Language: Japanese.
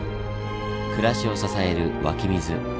暮らしを支える湧き水。